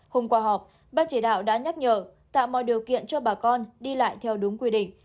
hôm qua họp ban chỉ đạo đã nhắc nhở tạo mọi điều kiện cho bà con đi lại theo đúng quy định